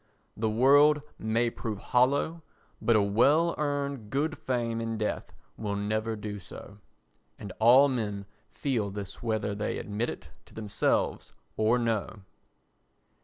The world may prove hollow but a well earned good fame in death will never do so. And all men feel this whether they admit it to themselves or no.